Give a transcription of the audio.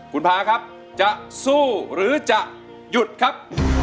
คุณพาครับจะสู้หรือจะหยุดครับ